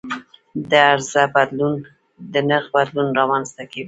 د عرضه بدلون د نرخ بدلون رامنځته کوي.